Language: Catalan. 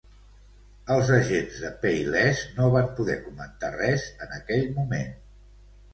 Els agents de PayLess no van poder comentar res en aquell moment.